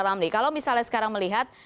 ramli kalau misalnya sekarang melihat